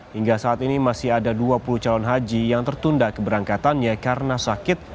hingga saat ini masih ada dua puluh calon haji yang tertunda keberangkatannya karena sakit